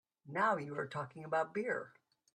Now you are talking about beer!